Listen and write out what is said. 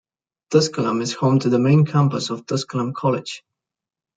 Tusculum is home to the main campus of Tusculum College.